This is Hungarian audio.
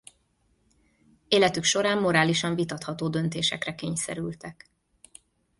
Életük során morálisan vitatható döntésekre kényszerültek.